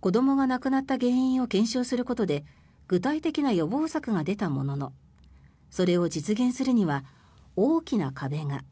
子どもが亡くなった原因を検証することで具体的な予防策が出たもののそれを実現するには大きな壁が。